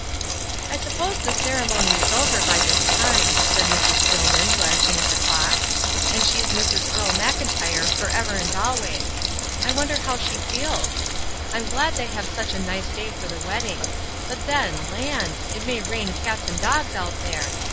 ^'I suppose the ceremony is over by this time/' said Mrs. Stillman, glancing at the clock, ''and she's Mrs. Earle Mclntyre forever and always. I wonder how she feels? I'm glad they have such a nice day for the wedding ; but then, land 1 it may rain cats and dogs out there.